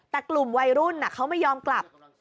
แต่กลุ่มวัยรุ่นเขาไม่ยอมกลับ